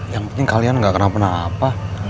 yang penting kalian gak kena pernah apa